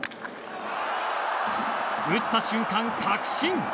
打った瞬間、確信。